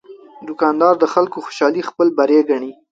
دوکاندار د خلکو خوشالي خپل بری ګڼي.